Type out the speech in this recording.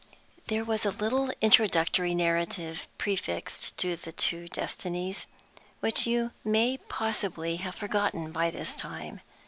THERE was a little introductory narrative prefixed to "The Two Destinies," which you may possibly have forgotten by this time.